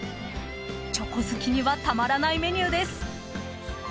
［チョコ好きにはたまらないメニューです］